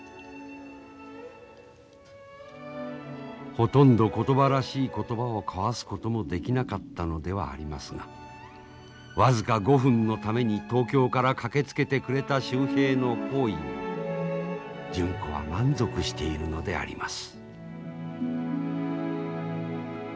ほとんど言葉らしい言葉を交わすこともできなかったのではありますが僅か５分のために東京から駆けつけてくれた秀平の行為に純子は満足しているのであります。